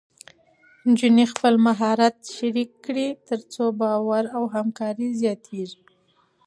نجونې خپل مهارت شریک کړي، تر څو باور او همکاري زیاتېږي.